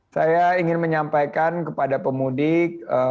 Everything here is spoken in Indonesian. saya ingin menyampaikan kepada pemudik